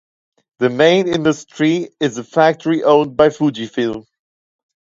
The main industry is a factory owned by Fujifilm.